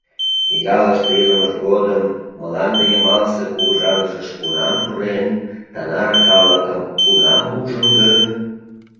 Ялыште илымыж годым мланде йымалсе кугыжанышыш кунам пурен, тынар калыкым кунам ужын гын?..